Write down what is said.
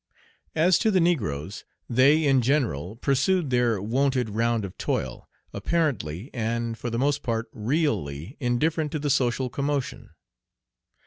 As to the negroes, they, in general, pursued their wonted round of toil, apparently, and, for the most part, really, indifferent to the social commotion.